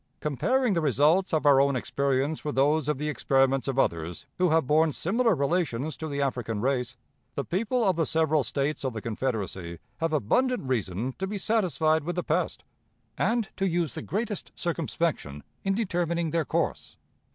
Comparing the results of our own experience with those of the experiments of others who have borne similar relations to the African race, the people of the several States of the Confederacy have abundant reason to be satisfied with the past, and to use the greatest circumspection in determining their course.